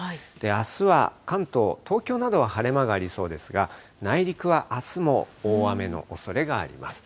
あすは関東、東京などは晴れ間がありそうですが、内陸はあすも大雨のおそれがあります。